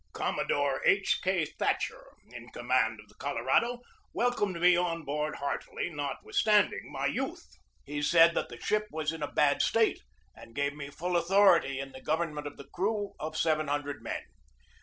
Commodore H. K. Thatcher, in command of the Colorado, welcomed me on board heartily, notwith standing my youth. He said that the ship was in a bad state and gave me full authority in the gov ernment of the crew of seven hundred men.